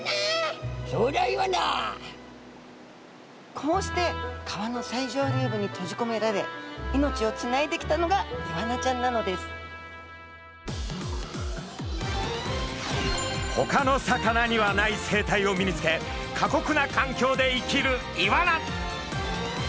こうして川の最上流部に閉じこめられ命をつないできたのがイワナちゃんなのですほかの魚にはない生態を身につけ過酷な環境で生きるイワナ。